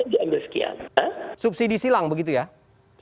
iuran jkk diambil sekian